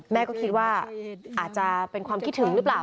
แม่ก็คิดว่าอาจจะเป็นความคิดถึงหรือเปล่า